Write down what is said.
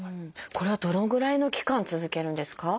これはどのぐらいの期間続けるんですか？